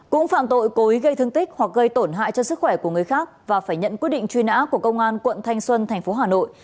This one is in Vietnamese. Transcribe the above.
cũng phạm tội cố ý gây thương tích hoặc gây tổn hại cho sức khỏe của người khác và phải nhận quyết định truy nã của công an quận thanh xuân tp hà nội